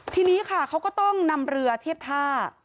ทีนี้ค่ะเขาก็ต้องนำเรือเทียบท่า